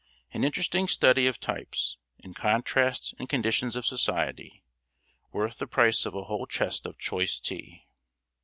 An interesting study of types, in contrasts and conditions of society, worth the price of a whole chest of choice tea.